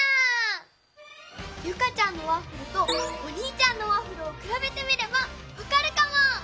ユカちゃんのワッフルとおにいちゃんのワッフルをくらべてみればわかるかも！